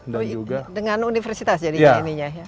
dengan universitas jadinya